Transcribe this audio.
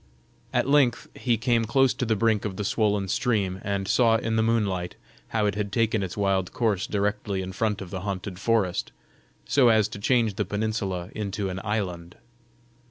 At length he came close to the brink of the swollen stream, and saw in the moonlight how it had taken its wild course directly in front of the haunted forest, so as to change the peninsula into an island.